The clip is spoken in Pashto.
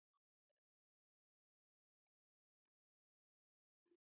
د سبزیجاتو کرنه د صحي خوړو لپاره بنسټیزه ده.